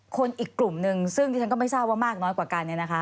อีกกลุ่มนึงซึ่งที่ฉันก็ไม่ทราบว่ามากน้อยกว่ากันเนี่ยนะคะ